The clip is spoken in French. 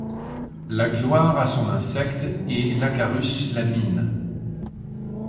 La gloire a son insecte et l'acarus la mine ;